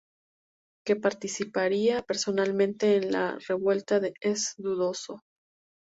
Que participara personalmente en la revuelta es dudoso.